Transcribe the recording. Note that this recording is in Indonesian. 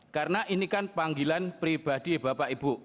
karena ini kan panggilan pribadi bapak ibu